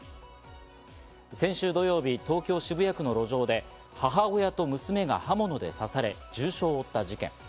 先週土曜日、東京・渋谷区の路上で母親と娘が刃物で刺され重傷を負った事件。